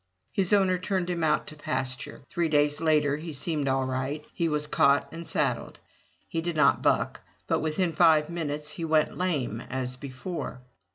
His owner turned him out to pasture. Three days later he seemed all right; he was caught and saddled. He did not buck, but within five minutes he went lame as before.